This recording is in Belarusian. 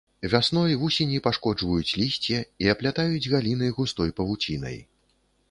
Вясной вусені пашкоджваюць лісце і аплятаюць галіны густой павуцінай.